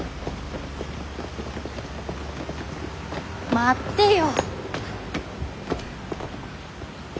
待ってよ。